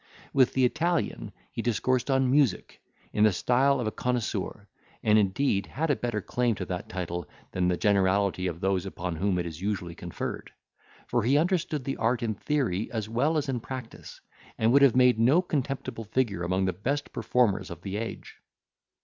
With the Italian he discoursed on music, in the style of a connoisseur; and indeed had a better claim to that title than the generality of those upon whom it is usually conferred; for he understood the art in theory as well as in practice, and would have made no contemptible figure among the best performers of the age.